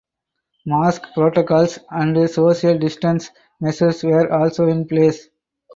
Mask protocols and social distance measures were also in place.